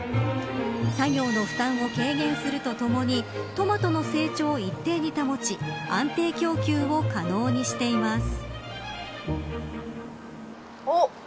作業の負担を軽減するとともにトマトの成長を一定に保ち安定供給を可能にしています。